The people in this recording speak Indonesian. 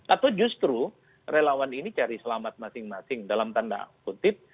atau justru relawan ini cari selamat masing masing dalam tanda kutip